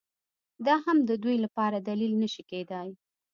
دا هم د دوی لپاره دلیل نه شي کېدای